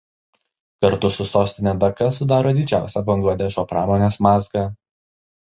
Kartu su sostine Daka sudaro didžiausią Bangladešo pramonės mazgą.